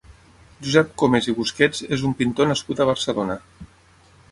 Josep Comes i Busquets és un pintor nascut a Barcelona.